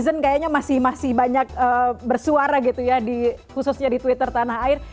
netizen kayaknya masih masih banyak bersuara gitu ya di khususnya di twitter tanah air